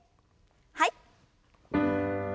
はい。